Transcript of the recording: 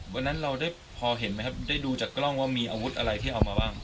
วันนั้นเราได้พอเห็นไหมครับได้ดูจากกล้องว่ามีอาวุธอะไรที่เอามาบ้าง